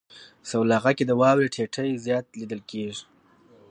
سلواغه کې د واورې ټيټی زیات لیدل کیږي.